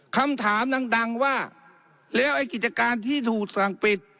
คำถามดังว่าแล้วไอ้กิจการที่ถูกสั่งปิด